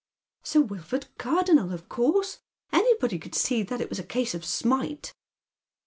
" "Sir Wilford Cardonnel, of course. Anybody could see thai it was a case of smite."